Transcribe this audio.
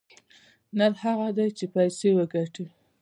نر هغه دى چې پيسې وگټي.